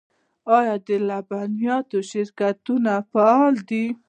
آیا د لبنیاتو شرکتونه فعال دي؟